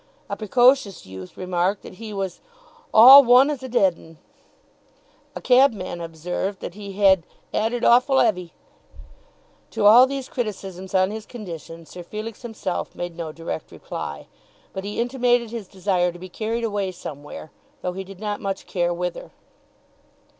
A precocious youth remarked that he was "all one as a dead 'un." A cabman observed that he had "'ad it awful 'eavy." To all these criticisms on his condition Sir Felix himself made no direct reply, but he intimated his desire to be carried away somewhere, though he did not much care whither.